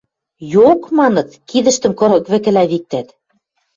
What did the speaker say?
Йок! – маныт, кидӹштӹм кырык вӹкӹлӓ виктӓт.